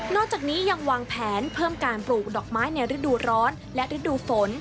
จากนี้ยังวางแผนเพิ่มการปลูกดอกไม้ในฤดูร้อนและฤดูฝน